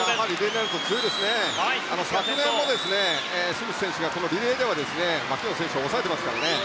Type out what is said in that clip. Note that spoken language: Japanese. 昨年もスミス選手がリレーではマキュオン選手を抑えていますからね。